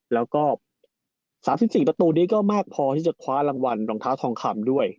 แล้วก็๓๔ประตูนี้ก็มากพอที่จะคว้ารางวัลรองเท้าทองคำด้วย